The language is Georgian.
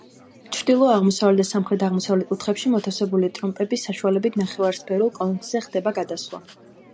ჩრდილო-აღმოსავლეთ და სამხრეთ-აღმოსავლეთ კუთხეებში მოთავსებული ტრომპების საშუალებით ნახევარსფერულ კონქზე ხდება გადასვლა.